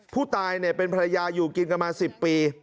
ผู้ตายเป็นภรรยาอยู่กินกันมา๑๐ปี